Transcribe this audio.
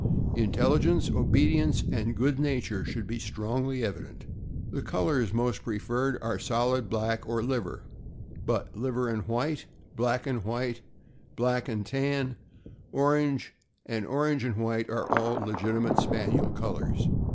Intelligence, obedience, and good nature should be strongly evident. The colors most preferred are solid black or liver, but liver and white, black and white, black and tan, orange, and orange and white are all legitimate Spaniel colors.